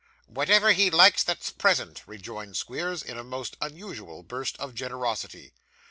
'Whatever he likes that's present,' rejoined Squeers, in a most unusual burst of generosity.